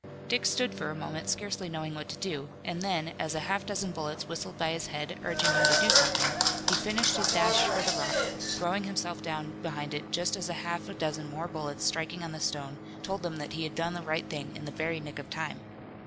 Dick stood for a moment, scarcely knowing what to do, and then, as a half dozen bullets whistled by his head, urging him to do something, he finished his dash for the rock, throwing himself down behind it just as a half a dozen more bullets striking on the stone told him that he had done the right thing in the very nick of time.